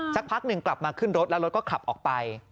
สักพักหนึ่งกลับมาขึ้นรถแล้วรถก็ขับออกไป